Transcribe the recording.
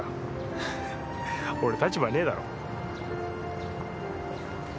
フフフ俺立場ねえだろ。